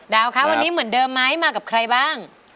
คะวันนี้เหมือนเดิมไหมมากับใครบ้าง